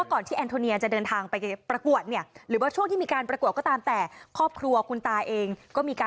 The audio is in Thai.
การประกวดครั้งนี้ค่ะฟังเพิ่มเติมจากคุณตาเนี่ยค่ะ